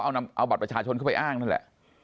เอาบัตรประชาชนเข้าไปอ้างนั่นแหละ